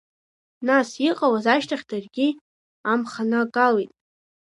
Нас, иҟалаз ашьҭахь, даргьы амханагалеит.